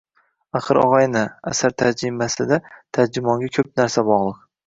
Axir, og’ayni, asar tarjimasimasida tarjimonga ko’p narsa bog’liq.